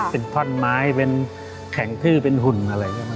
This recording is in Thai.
เป็นท่อนไม้เป็นแข็งทื้อเป็นหุ่นอะไรอย่างนี้